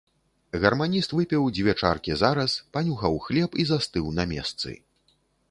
Гарманіст выпіў дзве чаркі зараз, панюхаў хлеб і застыў на месцы.